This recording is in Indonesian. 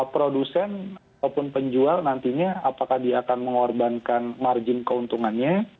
produsen ataupun penjual nantinya apakah dia akan mengorbankan margin keuntungannya